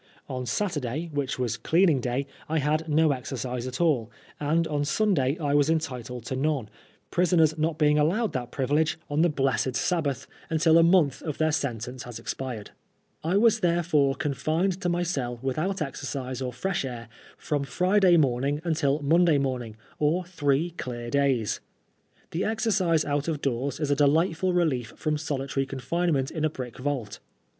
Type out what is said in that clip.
On Saturday, which was cleaning day, I had no exercise at all, and on Sunday I was entitled to none — ^prisoners not being allowed that privilege on the blessed Sabbath 132 PRISONER FOB BLASPHEMY. until a month of their sentence has expired: I was there* fore confined to my cell without exercise or fresh air from Friday morning until Monday morning, or three clear days. The exercise out of doors is a delightful relief from solitary confinement in a brick vault.